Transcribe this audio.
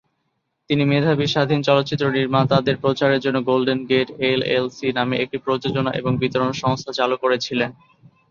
তিনি মেধাবী স্বাধীন চলচ্চিত্র নির্মাতাদের প্রচারের জন্য গোল্ডেন গেট এলএলসি নামে একটি প্রযোজনা এবং বিতরণ সংস্থা শুরু করেছিলেন।